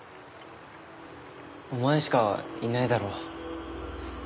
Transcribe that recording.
お前しかいないだろ。